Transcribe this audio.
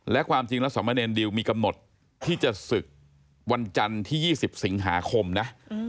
และความจริงแล้วสมเนรดิวมีกำหนดที่จะศึกวันจันทร์ที่๒๐สิงหาคมนะ